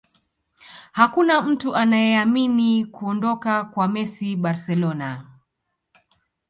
Hakuna mtu anayeamini kuondoka kwa messi barcelona